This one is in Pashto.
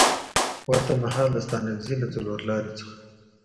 ورته مهال د ستانکزي له څلورلارې څخه